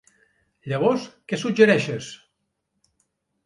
Llavors, què suggereixes?